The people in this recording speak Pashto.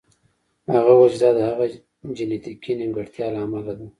هغه وویل چې دا د هغه د جینیتیکي نیمګړتیا له امله ده